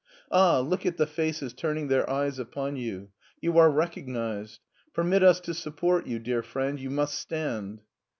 Ah, look at the faces turning their eyes upon you ! You are recognized. Permit us to support you, dear friend, you must stand.